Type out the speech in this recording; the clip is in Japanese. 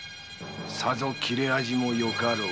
さぞ斬れ味もよかろう。